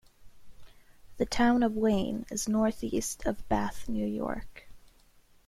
The Town of Wayne is northeast of Bath, New York.